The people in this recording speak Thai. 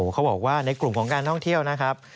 เขาบอกว่าในกลุ่มของการท่องเที่ยวนะครับ